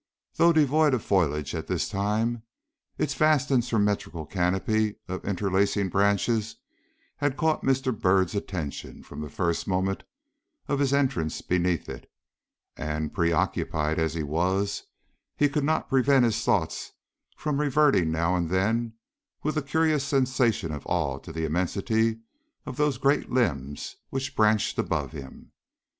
Though devoid of foliage at the time, its vast and symmetrical canopy of interlacing branches had caught Mr. Byrd's attention from the first moment of his entrance beneath it, and, preoccupied as he was, he could not prevent his thoughts from reverting now and then with a curious sensation of awe to the immensity of those great limbs which branched above him.